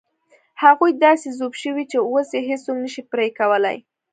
هغوی داسې ذوب شوي چې اوس یې هېڅوک نه شي پرې کولای.